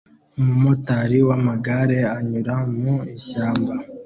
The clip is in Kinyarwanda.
umumotari w'amagare anyura mu ishyamba